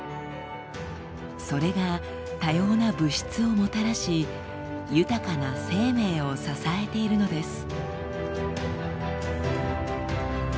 それが多様な物質をもたらし豊かな生命を支えているのです。